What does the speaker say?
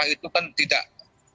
itu kan tidak